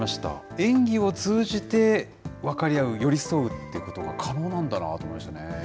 演技を通じて分かり合う、寄り添うってことが可能なんだなと思いましたね。